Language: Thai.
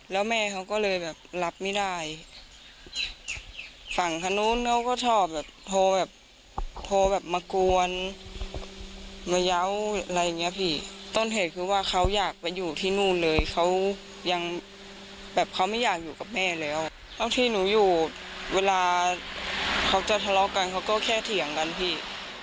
แล้วแม่เขาก็เลยแบบรับไม่ได้ฝั่งคนนู้นเขาก็ชอบแบบโทรแบบโทรแบบมากวนมาเยาว์อะไรอย่างเงี้ยพี่ต้นเหตุคือว่าเขาอยากไปอยู่ที่นู่นเลยเขายังแบบเขาไม่อยากอยู่กับแม่แล้วทั้งที่หนูอยู่เวลาเขาจะทะเลาะกันเขาก็แค่เถียงกันพี่